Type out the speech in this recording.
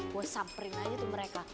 gue samperin aja tuh mereka